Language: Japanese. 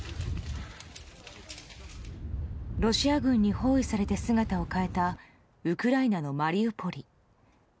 ロシア軍に包囲されて姿を変えたウクライナのマリウポリ。